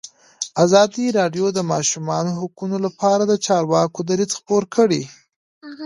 ازادي راډیو د د ماشومانو حقونه لپاره د چارواکو دریځ خپور کړی.